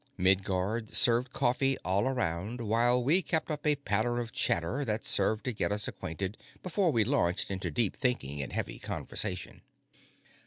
Midguard served coffee all around while we all kept up a patter of chatter that served to get us acquainted before we launched into deep thinking and heavy conversation.